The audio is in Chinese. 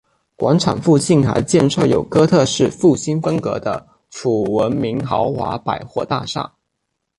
广场附近还建设有哥特式复兴风格的楚闻明豪华百货大厦。